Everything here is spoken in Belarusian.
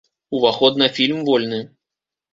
Уваход на фільм вольны.